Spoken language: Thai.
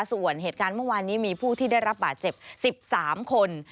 ส่วนเหตุการณ์เมื่อวานนี้มีผู้ที่ได้รับบาดเจ็บ๑๓คน